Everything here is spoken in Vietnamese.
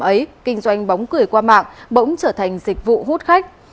ấy kinh doanh bóng cười qua mạng bỗng trở thành dịch vụ hút khách